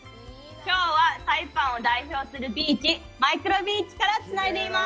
きょうはサイパンを代表するビーチ、マイクロビーチからつないでいます。